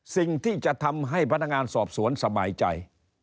สิ่งที่จะทำให้พนักงานสอบสวนสบายใจ